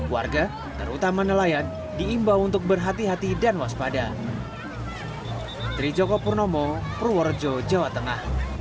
warga terutama nelayan diimbau untuk berhati hati dan waspada